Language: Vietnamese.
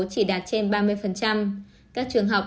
chỉ đạt trên ba mươi các trường học